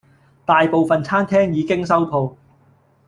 大部份餐廳已經收舖